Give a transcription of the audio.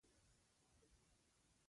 بس مه مې غږوه، به کرار مې پرېږده.